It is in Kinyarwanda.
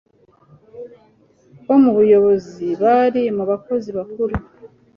bo mu buyobozi bari mu bakozi bakuru